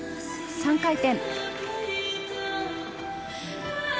３回転。